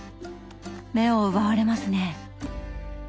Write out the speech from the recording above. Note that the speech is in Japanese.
目を奪われますね。